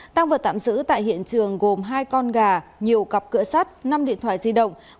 tăng vật tạm giữ tại hiện trường gồm hai con gà nhiều cặp cửa sắt năm điện thoại di động